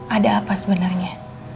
ada apa sebenarnya